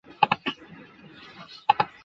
随后发生了平津作战。